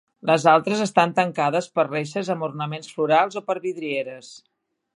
Les altres estan tancades per reixes amb ornaments florals o per vidrieres.